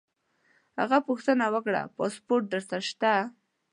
هغه پوښتنه وکړه: پاسپورټ در سره شته؟